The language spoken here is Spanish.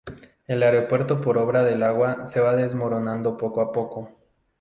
El aeropuerto por obra del agua se va desmoronando poco a poco.